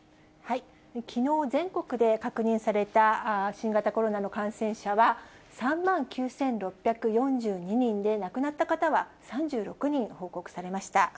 きのう全国で確認された新型コロナの感染者は３万９６４２人で、亡くなった方は３６人報告されました。